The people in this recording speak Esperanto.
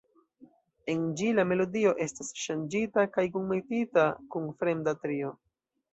En ĝi la melodio estas ŝanĝita kaj kunmetita kun fremda trio.